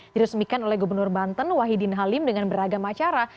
diresmikan oleh gubernur banten wahidin halim dengan beragam acara